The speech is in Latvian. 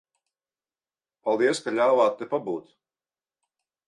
Paldies, ka ļāvāt te pabūt.